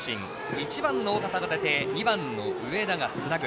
１番の緒方が出て２番の上田がつなぐ。